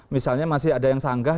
misalnya masih ada yang sanggah